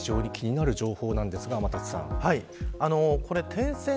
非常に気になる情報ですが天達さん。